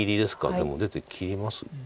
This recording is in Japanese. でも出て切りますか。